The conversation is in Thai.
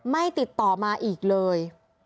ไม่ติดต่อมาอีกเลย